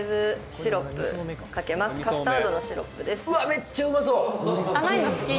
めっちゃうまそう！